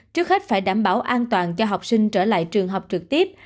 trước hết phải đảm bảo an toàn cho học sinh trở lại trường học trực tiếp